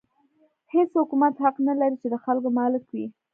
هېڅ حکومت حق نه لري چې د خلکو مالک وي.